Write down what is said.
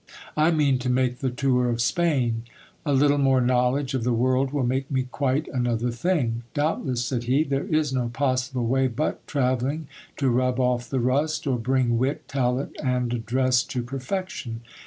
I mean to make the tour of Spain. A little more knowledge of the world will make me quite another thing. Doubtless, said he, there is no possible way but travelling to rub off the rust, or bring wit, talent, and address to perfection.